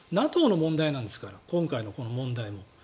ＮＡＴＯの問題なんですから今回のこの問題も。